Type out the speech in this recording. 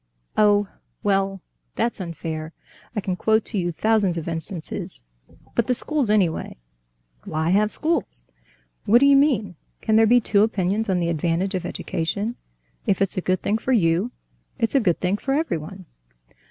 "Oh, well, that's unfair ... I can quote to you thousands of instances.... But the schools, anyway." "Why have schools?" "What do you mean? Can there be two opinions of the advantage of education? If it's a good thing for you, it's a good thing for everyone."